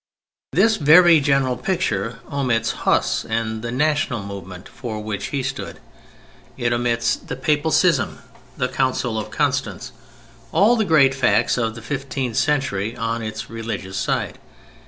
This very general picture omits Huss and the national movement for which he stood. It omits the Papal Schism; the Council of Constance; all the great facts of the fifteenth century on its religious side.